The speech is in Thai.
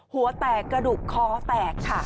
หัวแตกกระดูกคอแตกค่ะ